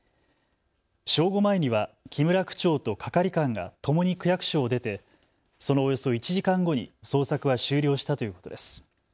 正午前には木村区長と係官がともに区役所を出て、そのおよそ１時間後に捜索は終了したということです。